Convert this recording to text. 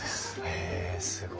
へえすごい。